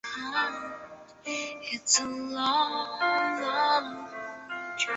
阿热人口变化图示